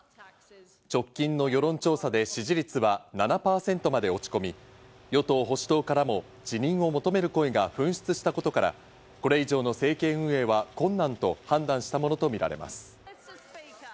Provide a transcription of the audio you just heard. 直近の世論調査で支持率は７％まで落ち込み、与党・保守党からも辞任を求める声が噴出したことから、これ以上の政権運営は困難と判断したものとみられます。